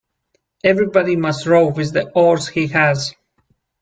Everybody must row with the oars he has.